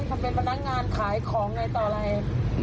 ทำเป็นพนักงานขายของไงต่ออะไร